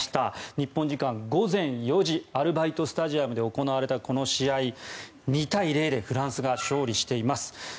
日本時間午前４時アルバイト・スタジアムで行われたこの試合２対０でフランスが勝利しています。